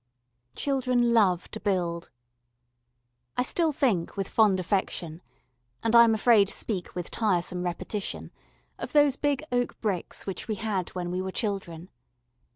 Children love to build. I still think with fond affection, and I am afraid speak with tiresome repetition, of those big oak bricks which we had when we were children.